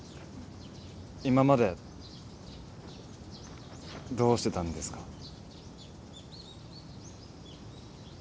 今までどうしてたんですか？